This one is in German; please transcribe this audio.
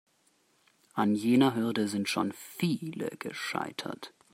An jener Hürde sind schon viele gescheitert.